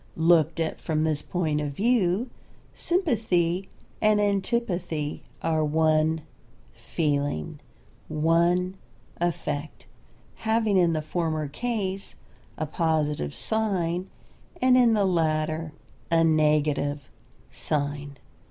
Looked at from this point of view, sympathy and antipathy are one feeling, one affect, having in the former case a positive sign and in the latter a negative sign.